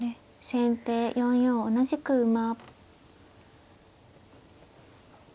先手４四同じく馬。